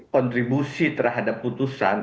kontribusi terhadap putusan